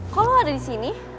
kau lu ada di sini